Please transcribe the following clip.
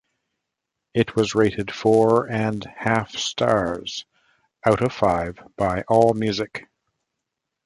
It was rated four and half stars, out of five, by AllMusic.